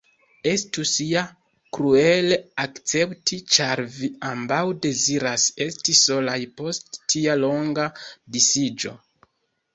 Estus ja kruele akcepti, ĉar vi ambaŭ deziras esti solaj post tia longa disiĝo.